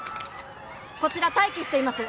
こちら待機しています。